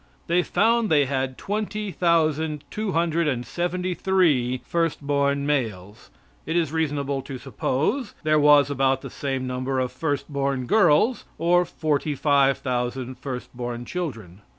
They found they had twenty thousand two hundred and seventy three first born males. It is reasonable to suppose there was about the same number of first born girls, or forty five thousand first born children.